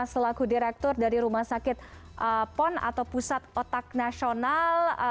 selaku direktur dari rumah sakit pon atau pusat otak nasional